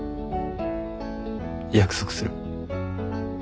約束する。